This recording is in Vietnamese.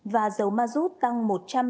và dầu ma rút tăng một trăm linh đồng một lít